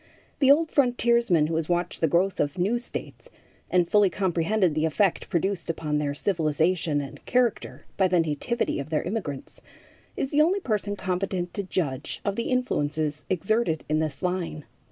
The old frontiersman who has watched the growth of new states, and fully comprehended the effect produced upon their civilization and character by the nativity of their immigrants, is the only person competent to judge of the influences exerted in this line.